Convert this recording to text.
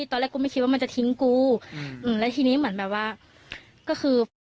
ตอนแรกกูไม่คิดว่ามันจะทิ้งกูอืมแล้วทีนี้เหมือนแบบว่าก็คือ